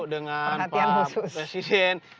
dengan pak presiden